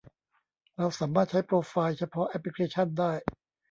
เราสามารถใช้โปรไฟล์เฉพาะแอปพลิเคชันได้